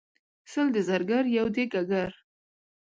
سل د زرګر یو دګګر.